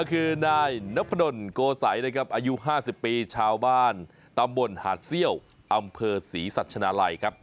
คือนายนพดลโกสัยนะครับอายุ๕๐ปีชาวบ้านตำบลหาดเซี่ยวอำเภอศรีสัชนาลัยครับ